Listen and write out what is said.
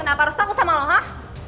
kenapa harus takut sama lo hah